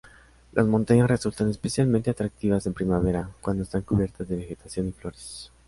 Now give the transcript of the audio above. Las montañas resultan especialmente atractivas en primavera, cuando están cubiertas de vegetación y flores.